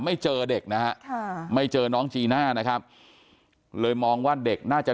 ไม่เจอเด็กนะฮะไม่เจอน้องจีน่านะครับเลยมองว่าเด็กน่าจะ